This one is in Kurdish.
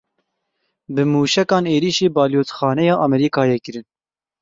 Bi mûşekan êrişî Balyozxaneya Amerîkayê kirin.